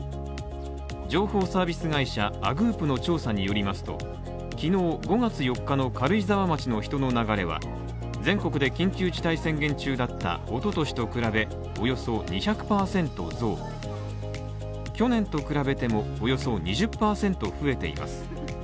情報サービス会社、Ａｇｏｏｐの調査によりますと、きのう５月４日の軽井沢町の人の流れは、全国で緊急事態宣言中だった一昨年と比べおよそ２００％増、去年と比べてもおよそ２０％増えています。